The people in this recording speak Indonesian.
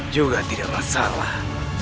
juga tidak masalah